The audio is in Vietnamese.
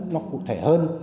nó cụ thể hơn